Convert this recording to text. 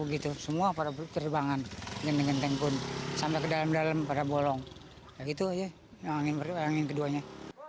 begitu semua para berterbangan jeneng jeneng pun sampai ke dalam dalam pada bolong itu ya